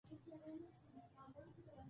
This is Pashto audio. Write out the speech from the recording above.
دوی به تر هغه وخته غرونه ټول پلورلي وي.